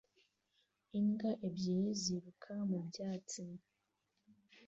imbwa ebyiri ziruka mu byatsi